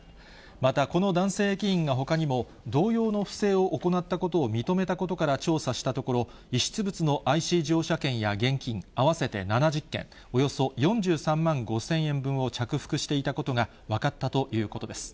また、この男性駅員がほかにも、同様の不正を行ったことを認めたことから調査したところ、遺失物のＩＣ乗車券や現金合わせて７０件、およそ４３万５０００円分を着服していたことが分かったということです。